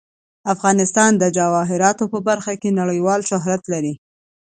افغانستان د جواهرات په برخه کې نړیوال شهرت لري.